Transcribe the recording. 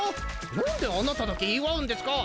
何であなただけ祝うんですか！？